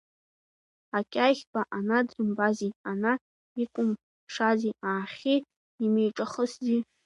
Акьахьба ана дрымбази, ана икәымшази, аахьхьи имеиҿахысзи!